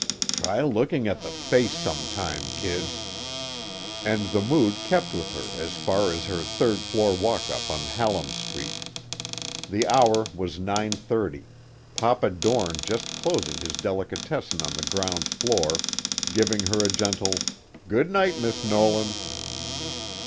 Try looking at the face some time, kids! and the mood kept with her as far as her third floor walkup on Hallam Street. The hour was nine thirty, Papa Doorn just closing his delicatessen on the ground floor, giving her a gentle "Good night, Miss Nolan!"